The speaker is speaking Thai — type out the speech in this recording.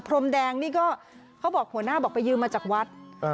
พรมแดงนี่ก็เขาบอกหัวหน้าบอกไปยืมมาจากวัด